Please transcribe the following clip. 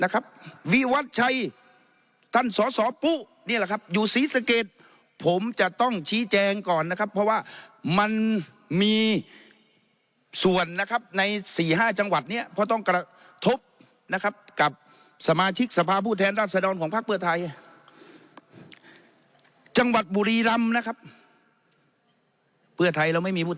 วิวัตชัยท่านสอสอปุ๊นี่แหละครับอยู่ศรีสะเกดผมจะต้องชี้แจงก่อนนะครับเพราะว่ามันมีส่วนนะครับในสี่ห้าจังหวัดเนี้ยเพราะต้องกระทบนะครับกับสมาชิกสภาพผู้แทนราชดรของพักเพื่อไทยจังหวัดบุรีรำนะครับเพื่อไทยเราไม่มีวุ